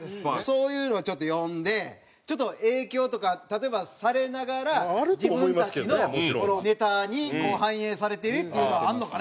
そういうのをちょっと読んで影響とか例えばされながら自分たちのネタに反映されてるっていうのあるのかね